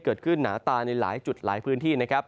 เกิดขึ้นหนาตาในหลายจุดหลายพื้นที่นะครับ